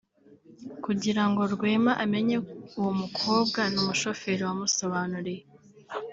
kugira ngo Rwema amenye uwo mukobwa ni umushoferi wamumusobanuriye”